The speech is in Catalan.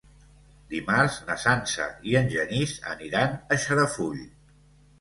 Dimarts na Sança i en Genís aniran a Xarafull.